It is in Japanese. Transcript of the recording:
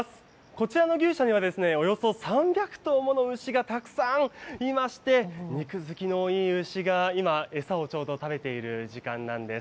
こちらの牛舎ではおよそ３００頭もの牛がたくさんいまして、肉づきのいい牛が今、餌をちょうど食べている時間なんです。